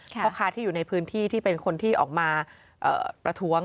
พ่อค้าที่อยู่ในพื้นที่ที่เป็นคนที่ออกมาประท้วง